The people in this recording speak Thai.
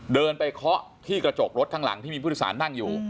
เดินไปเคาะที่กระจกรถข้างหลังที่มีผู้โดยสารนั่งอยู่